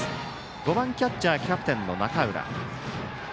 ５番キャッチャーキャプテンの中浦。